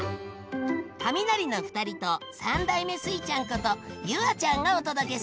カミナリの２人と３代目スイちゃんこと夕空ちゃんがお届けする。